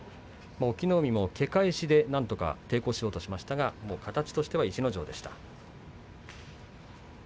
隠岐の海も、け返しでなんとか抵抗しようと思いましたが形としては逸ノ城でした。